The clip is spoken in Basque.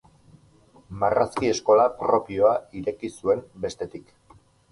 Marrazki eskola propioa ireki zuen, bestetik.